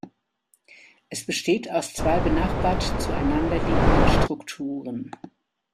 Es besteht aus zwei benachbart zueinander liegenden Strukturen.